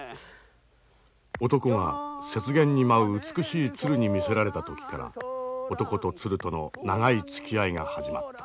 男は雪原に舞う美しい鶴に魅せられた時から男と鶴との長いつきあいが始まった。